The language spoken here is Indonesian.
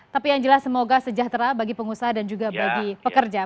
tapi yang jelas semoga sejahtera bagi pengusaha dan juga bagi pekerja